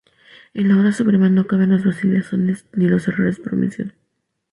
En la hora suprema no caben las vacilaciones ni los errores por omisión.